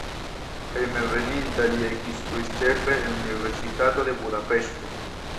Hejmenveninta li ekinstruis ĉefe en Universitato de Budapeŝto.